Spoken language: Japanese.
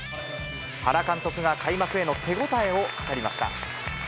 原監督が開幕への手応えを語りました。